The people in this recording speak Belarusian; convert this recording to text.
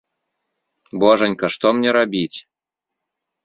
Божанька, што мне рабіць?